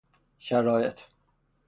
شرائط